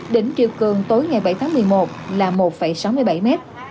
đỉnh chiều cường tối ngày bảy tháng một mươi một là một sáu mươi bảy mét